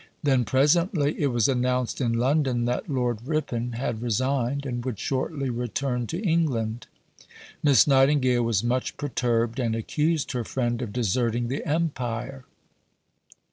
Then, presently, it was announced in London that Lord Ripon had resigned and would shortly return to England. Miss Nightingale was much perturbed, and accused her friend of "deserting the Empire."